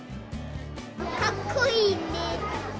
かっこいいね。